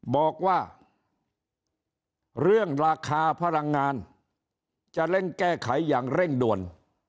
บอกว่าเรื่องราคาพลังงานจะเร่งแก้ไขอย่างเร่งด่วน